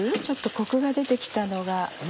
ちょっとコクが出て来たのが。